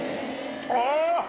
ああ！